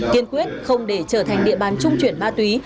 kiên quyết không để trở thành địa bàn trung chuyển ma túy